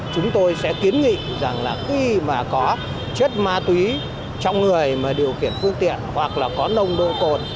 chúng tôi sẽ kiến nghị rằng là khi mà có chất ma túy trong người mà điều khiển phương tiện hoặc là có nồng độ cồn